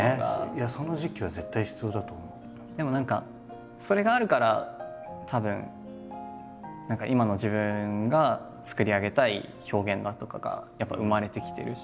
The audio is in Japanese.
でも何かそれがあるからたぶん何か今の自分が作り上げたい表現だとかがやっぱ生まれてきてるし。